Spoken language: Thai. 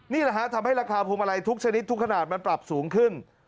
นี่แหละฮะทำให้ราคาพวงมาลัยทุกชนิดทุกขนาดมันปรับสูงขึ้น